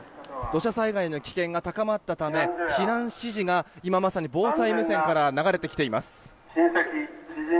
土砂災害の危険が高まったため避難指示が今まさに防災無線から流れてきています。